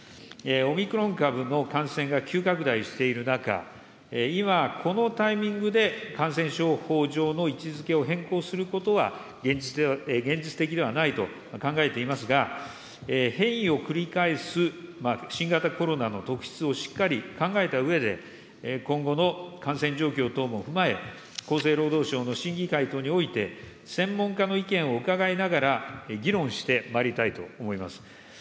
オミクロン株の感染が急拡大している中、今このタイミングで感染症法上の位置づけを変更することは、現実的ではないと考えていますが、変異を繰り返す新型コロナの特質をしっかり考えたうえで、今後の感染状況等も踏まえ、厚生労働省の審議会等において、専門家の意見を伺いながら議論してまいりたいと思います。